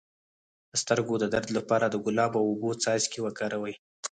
د سترګو د درد لپاره د ګلاب او اوبو څاڅکي وکاروئ